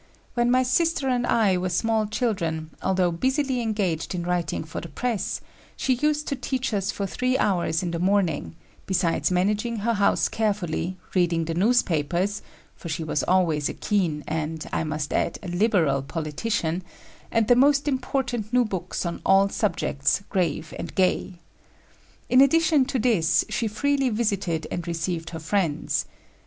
When my sister and I were small children, although busily engaged in writing for the press, she used to teach us for three hours in the morning, besides managing her house carefully, reading the newspapers for she was always a keen and, I must add, a liberal politician and the most important new books on all subjects, grave and gay. In addition to this, she freely visited and received her friends....